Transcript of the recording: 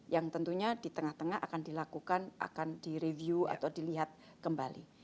yang tentunya di tengah tengah akan dilakukan akan direview atau dilihat kembali